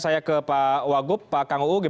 saya ke pak wagup pak kang u